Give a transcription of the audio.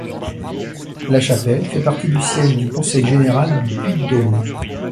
La chapelle fait partie du siège du conseil général du Puy-de-Dôme.